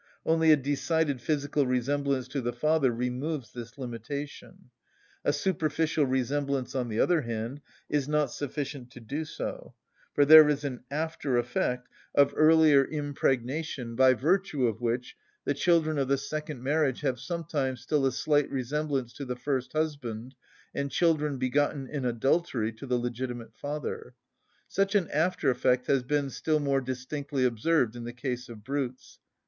Only a decided physical resemblance to the father removes this limitation; a superficial resemblance, on the other hand, is not sufficient to do so; for there is an after‐effect of earlier impregnation by virtue of which the children of the second marriage have sometimes still a slight resemblance to the first husband, and children begotten in adultery to the legitimate father. Such an after‐effect has been still more distinctly observed in the case of brutes.